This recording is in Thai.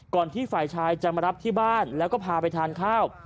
ที่ฝ่ายชายจะมารับที่บ้านแล้วก็พาไปทานข้าว